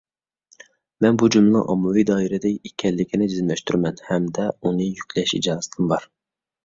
مەن بۇ جۈملىنىڭ ئاممىۋى دائىرە دە ئىكەنلىكىنى جەزملەشتۈرىمەن ھەمدە ئۇنى يۈكلەش ئىجازىتىم بار.